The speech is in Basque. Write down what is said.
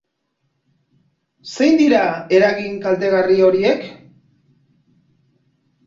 Zein dira eragin kaltegarri horiek?